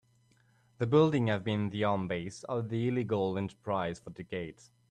The building has been the home base of the illegal enterprise for decades.